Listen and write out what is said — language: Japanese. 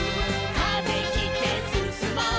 「風切ってすすもう」